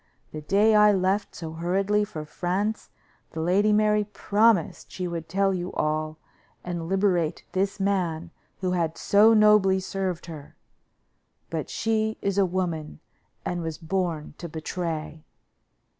The day I left so hurriedly for France the Lady Mary promised she would tell you all and liberate this man who had so nobly served her; but she is a woman, and was born to betray."